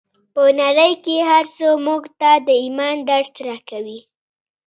په نړۍ کې هر څه موږ ته د ايمان درس راکوي.